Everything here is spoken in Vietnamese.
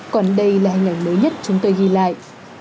còn đây là hình ảnh mới nhất chúng tôi ghi lại